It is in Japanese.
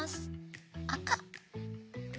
あか。